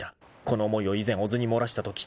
［この思いを以前小津に漏らしたとき］